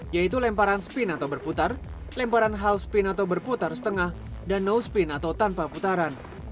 yaitu lemparan spin atau berputar lemparan hal spin atau berputar setengah dan no spin atau tanpa putaran